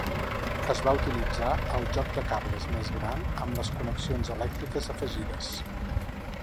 Es va utilitzar el joc de cables més gran amb les connexions elèctriques afegides.